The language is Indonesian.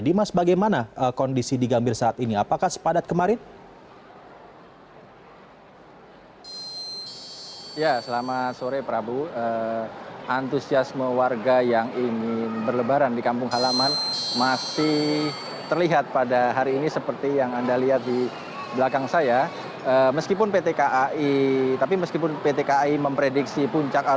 dimas bagaimana kondisi di gambir saat ini apakah sepadat kemarin